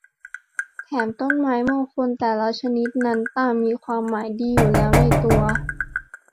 แถมต้นไม้มงคลแต่ละชนิดนั้นต่างมีความหมายดีอยู่แล้วในตัว